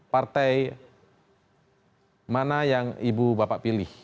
partai mana yang ibu bapak pilih